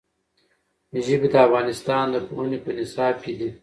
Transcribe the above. ژبې د افغانستان د پوهنې په نصاب کې دي.